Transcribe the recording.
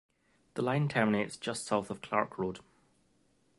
The line terminates just south of Clark Road.